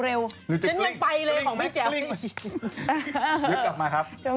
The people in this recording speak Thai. หรือไม่จะเกลี้งเกลี้งกิ๊บออกมาครับพี่เจ๋อวไม่จับมาครับ